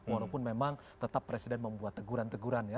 walaupun memang tetap presiden membuat teguran teguran ya